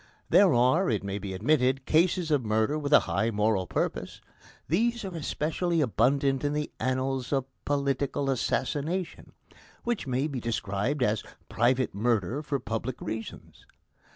There are, it may be admitted, cases of murder with a high moral purpose. These are especially abundant in the annals of political assassination, which may be described as private murder for public reasons.